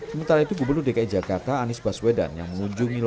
sementara itu gubernur dki jakarta anies baswedan yang mengunjungi